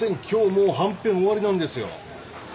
今日もうはんぺん終わりなんですよ。